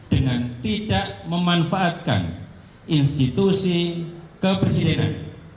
dengan tidak memanfaatkan institusi kepresidenan